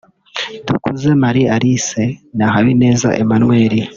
Dukuze Marie Alice na Habineza Emmanuel